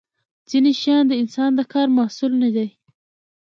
ځینې شیان د انسان د کار محصول نه دي.